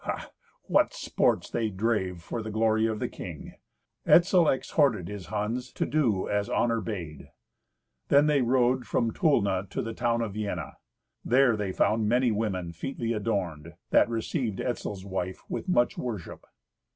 Ha! what sports they drave for the glory of the king! Etzel exhorted his Huns to do as honour bade. Then they rode from Tulna to the town of Vienna. There they found many women featly adorned, that received Etzel's wife with much worship.